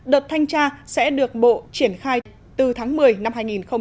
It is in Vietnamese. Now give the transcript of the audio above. đợt thanh tra sẽ được bộ triển khai từ tháng một mươi năm hai nghìn một mươi chín